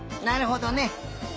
なるほどね！